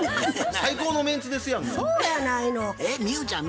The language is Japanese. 最高のメンツですやんか。